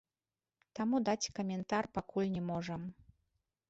Таму даць каментар пакуль не можам.